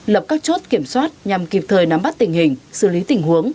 lập các chốt kiểm soát nhằm kịp thời nắm bắt tình hình xử lý tình huống